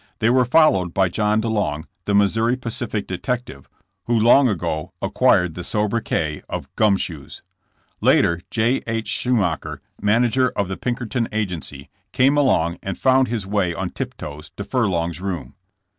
They were followed by John DeLong, the Missouri Pacific detective, who long ago acquired the sobriquet of ^'Gum Shoes.'' Later J. H. Schumacher, manager of the Pinkerton agency, came along and found his way on tip toes to Fur long's room.